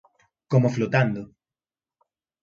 Como flotando.